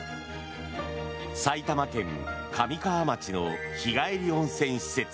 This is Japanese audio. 埼玉県神川町の日帰り温泉施設